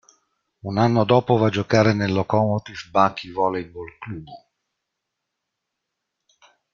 Un anno dopo va a giocare nel Lokomotiv Bakı Voleybol Klubu.